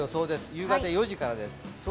夕方４時からです。